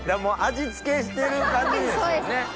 もう味付けしてる感じですよね。